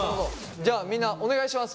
じゃあみんなお願いします。